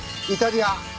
イタリア。